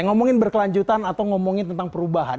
ngomongin berkelanjutan atau ngomongin tentang perubahan